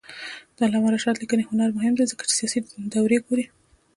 د علامه رشاد لیکنی هنر مهم دی ځکه چې سیاسي دورې ګوري.